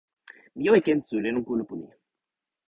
mi jo e ken suli lon kulupu ni.